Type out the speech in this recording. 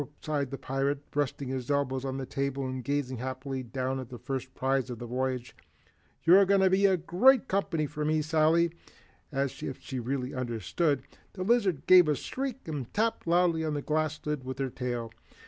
sighed the pirate, resting his elbows on the table and gazing happily down at the first prize of the voyage. "You're going to be great company for me, Sally." As if she really understood, the lizard gave a squeak and tapped loudly on the glass lid with her tail.